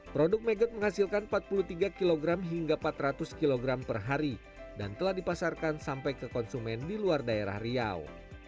produk megat menghasilkan empat puluh tiga kg hingga empat ratus kg per hari dan telah dipasarkan sampai ke konsumen di luar daerah riau